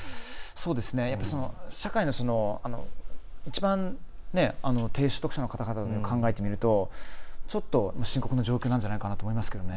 やっぱり、社会の一番低所得者の人々のことを考えてみると、ちょっと深刻な状況なんじゃないかと思いますけどね。